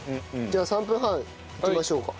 じゃあ３分半いきましょうか。